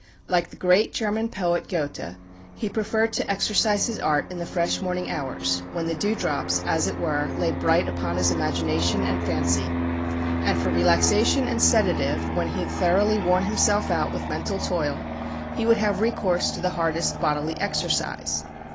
Like the great German poet Goethe, he preferred to exercise his art in the fresh morning hours, when the dewdrops, as it were, lay bright upon his imagination and fancy. And for relaxation and sedative, when he had thoroughly worn himself out with mental toil, he would have recourse to the hardest bodily exercise.